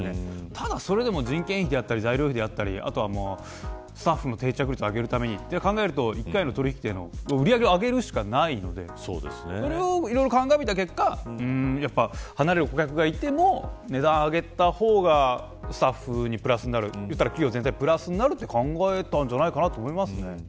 ただそれでも、人件費であったり材料費だったりスタッフの定着率を上げるためにと考えると１回の売り上げを上げるしかないのでそれを、いろいろ鑑みた結果離れる顧客がいても値段を上げた方がスタッフにプラスになる企業全体にプラスになると考えたんじゃないかなと思います。